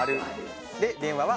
で電話は×。